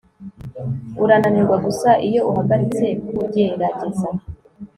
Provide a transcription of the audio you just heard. urananirwa gusa iyo uhagaritse kugerageza